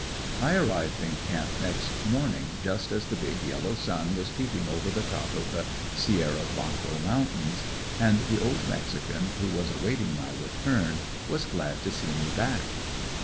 I arrived in camp next morning just as the big yellow sun was peeping over the top of the Sierra Blanco mountains; and the old mexican, who was awaiting my return, was glad to see me back.